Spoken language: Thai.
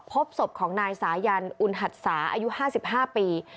พบศพของนายสายันอุณหัดสาอายุ๕๕ปี